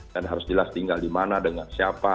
dan harus jelas tinggal di mana dengan siapa